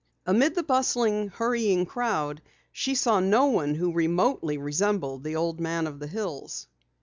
Amid the bustling, hurrying crowd she saw no one who remotely resembled the old man of the hills.